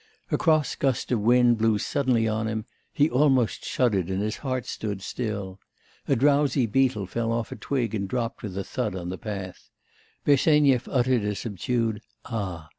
A cross gust of wind blew suddenly on him; he almost shuddered, and his heart stood still; a drowsy beetle fell off a twig and dropped with a thud on the path; Bersenyev uttered a subdued 'Ah!